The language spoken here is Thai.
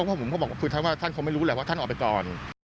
ผมก็บอกว่าคุณท่านเขาไม่รู้แหละว่าท่าออกไปก่อน